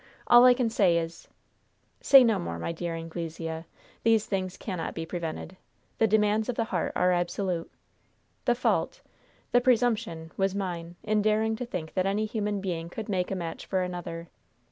All I can say is " "Say no more, my dear Anglesea. These things cannot be prevented. 'The demands of the heart are absolute.' The fault the presumption was mine, in daring to think that any human being could make a match for another.